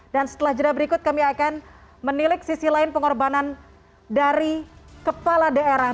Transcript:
dan setelah jeda berikut kami akan menilik sisi lain pengorbanan dari kepala daerah